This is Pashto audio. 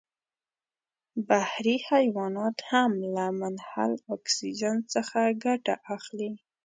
بحري حیوانات هم له منحل اکسیجن څخه ګټه اخلي.